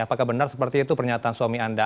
apakah benar seperti itu pernyataan suami anda